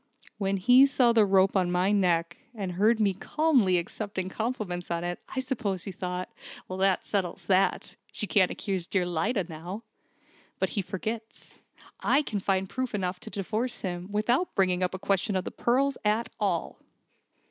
When he saw the rope on my neck, and heard me calmly accepting compliments on it, I suppose he thought, 'That settles that. She can't accuse dear Lyda now!' But he forgets. I can find proof enough to divorce him, without bringing up a question of the pearls at all."